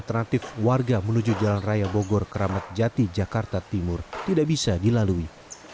alternatif warga menuju jalan raya bogor keramat jati jakarta timur tidak bisa dilalui